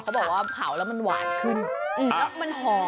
เขาบอกว่าเผาแล้วมันหวานขึ้นแล้วมันหอม